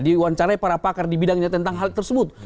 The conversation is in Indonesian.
diwawancarai para pakar di bidangnya tentang hal tersebut